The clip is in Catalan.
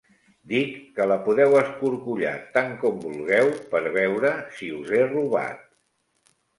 Dic que la podeu escorcollar tant com vulgueu per veure si us he robat.